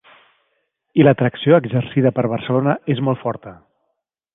I l’atracció exercida per Barcelona és molt forta.